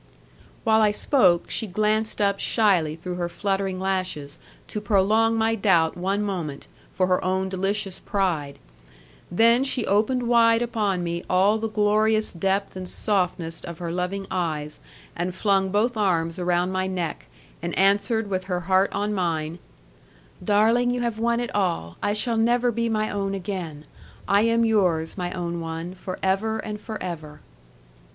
While I spoke, she glanced up shyly through her fluttering lashes, to prolong my doubt one moment, for her own delicious pride. Then she opened wide upon me all the glorious depth and softness of her loving eyes, and flung both arms around my neck, and answered with her heart on mine, 'Darling, you have won it all. I shall never be my own again. I am yours, my own one, for ever and for ever.'